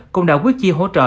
cũng đã quyết chi hỗ trợ